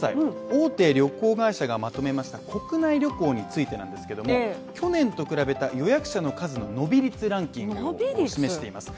大手旅行会社がまとめました国内旅行についてなんですけども去年と比べた予約者の数の伸び率ランキングで示しています